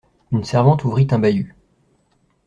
Une servante ouvrit un bahut.